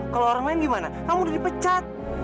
kalau orang main gimana kamu udah dipecat